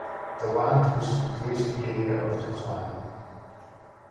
The land was the grazing area of the clan.